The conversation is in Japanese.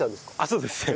そうです。